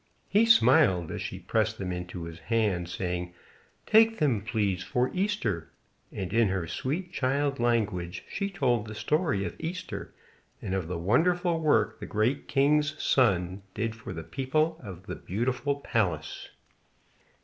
He smiled as she pressed them into his hand, saying: "Take them, please, for Easter," and in her sweet child language she told the story of Easter, and of the wonderful work the Great King's Son did for the people of the beautiful palace.